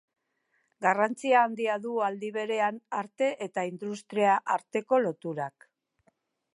Garrantzia handia du, aldi berean, arte eta industria arteko loturak.